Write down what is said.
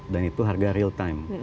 dan itu harga real time